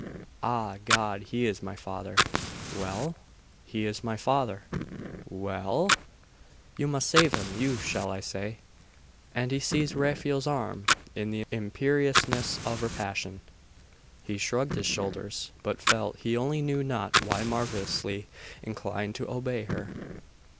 'Ah, God! he is my father!' 'Well?' 'He is my father!' 'Well?' 'You must save him! You shall, I say!' And she seized Raphael's arm in the imperiousness of her passion. He shrugged his shoulders: but felt, he knew not why, marvellously inclined to obey her.